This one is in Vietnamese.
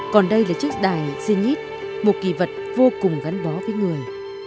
còn đây là chiếc đài zinis một kỳ vật vô cùng gắn bó với người